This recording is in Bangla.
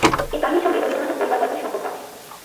এর কাহিনীর সঙ্গে রবীন্দ্রনাথের "রবিবার" গল্পের সম্পর্ক আছে।